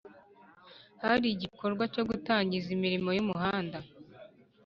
Hari igikorwa cyo gutangiza imirimo y’umuhanda